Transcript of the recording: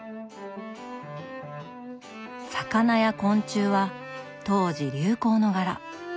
魚や昆虫は当時流行の柄。